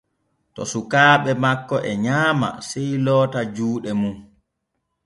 To sukaaɓe makko e nyaama sey loota juuɗe mum.